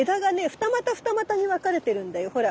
二股二股に分かれてるんだよほら。